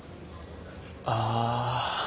ああ。